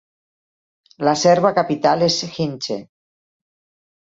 La serva capital és Hinche.